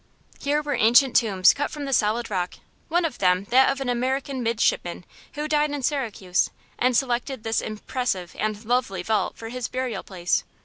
Here were ancient tombs cut from the solid rock one of them that of an American midshipman who died in Syracuse and selected this impressive and lovely vault for his burial place.